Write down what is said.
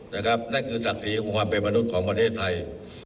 นั่นคือศักดิ์ศรีของความเป็นมนุษย์ของประเทศไทย